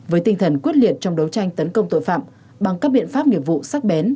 với tinh thần quyết liệt trong đấu tranh tấn công tội phạm bằng các biện pháp nghiệp vụ sắc bén